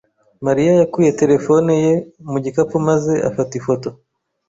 Mariya yakuye terefone ye mu gikapu maze afata ifoto.